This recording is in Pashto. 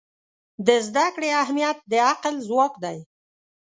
د زده کړې اهمیت د عقل ځواک دی.